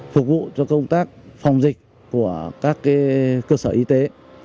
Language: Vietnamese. phục vụ cho công tác phòng dịch của các cơ sở y tế